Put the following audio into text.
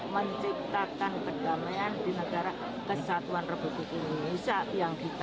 menciptakan kedamaian di negara kesatuan republik indonesia yang kita